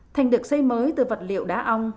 thành được xây mới từ vật liệu đá ong